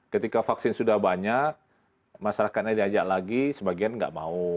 ketika vaksin sudah banyak masyarakatnya diajak lagi sebagian nggak mau